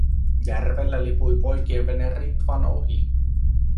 Järvellä lipui poikien vene Ritvan ohi.